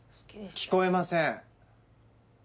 聞こえません！